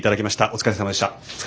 お疲れさまでした。